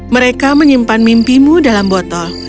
mereka menyimpan mimpimu dalam botol